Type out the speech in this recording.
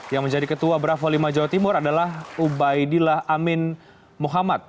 yang menjadi ketua bravo lima jawa timur adalah ubaidillah amin muhammad